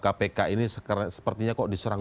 kpk ini sepertinya kok diserang